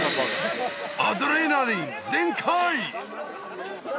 アドレナリン全開！